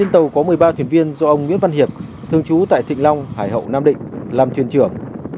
tàu có một mươi ba thuyền viên do ông nguyễn văn hiệp thường trú tại thịnh long hải hậu nam định làm thuyền trưởng